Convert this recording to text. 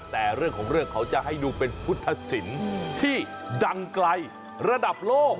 แต่เรื่องของเรื่องเขาจะให้ดูเป็นพุทธศิลป์ที่ดังไกลระดับโลก